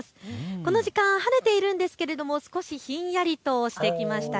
この時間晴れているんですけれども少しひんやりとしてきました。